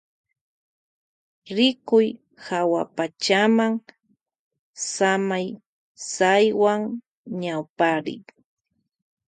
Rikuy hawapachama samaysaywan ñawpariy.